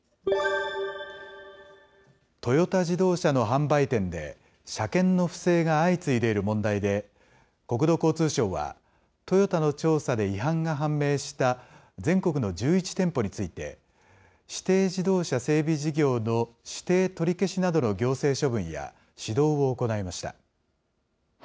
トヨタ自動車の販売店で、車検の不正が相次いでいる問題で、国土交通省は、トヨタの調査で違反が判明した全国の１１店舗について、指定自動車整備事業の指定取り消しなどの行政処分や指導を行いました。